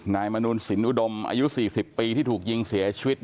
มนุนสินอุดมอายุ๔๐ปีที่ถูกยิงเสียชีวิต